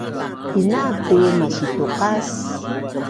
Inaak tu masituqas